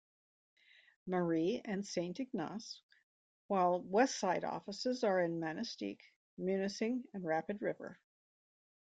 Marie and Saint Ignace, while Westside offices are in Manistique, Munising, and Rapid River.